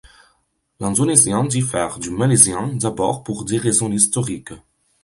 L'indonésien diffère du malaisien d'abord pour des raisons historiques.